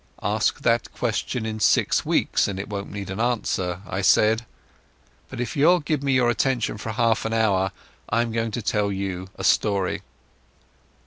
"Ask that question in six weeks and it won't need an answer," I said. "If you'll give me your attention for half an hour I am going to tell you a story."